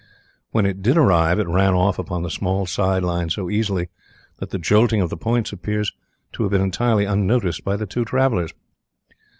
When it did arrive, it ran off upon the small side line so easily that the jolting of the points appears to have been entirely unnoticed by the two travellers.